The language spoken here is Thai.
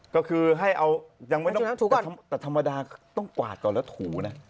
ก็คือให้เอายังไม่ต้องแต่ธรรมดาต้องกวาดก่อนแล้วถูนะ